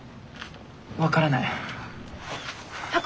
分からない。